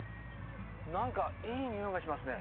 何かいい匂いがしますね。